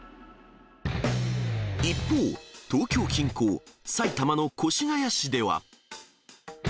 一方、東京近郊、埼玉の越谷市では。